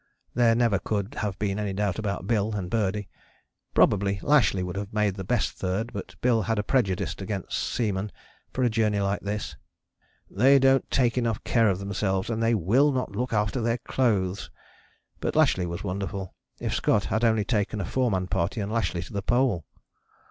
There never could have been any doubt about Bill and Birdie. Probably Lashly would have made the best third, but Bill had a prejudice against seamen for a journey like this "They don't take enough care of themselves, and they will not look after their clothes." But Lashly was wonderful if Scott had only taken a four man party and Lashly to the Pole!